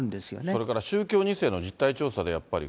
それから宗教２世の実態調査でやっぱり、